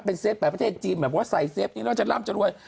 เป็นเฟฟแบบประเทศจีนแบบว่าใส่เฟฟนี้แล้วจะร่ำจะรวย